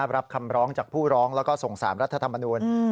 รับคำร้องจากผู้ร้องแล้วก็ส่งสารรัฐธรรมนูล